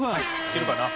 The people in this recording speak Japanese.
いけるかな？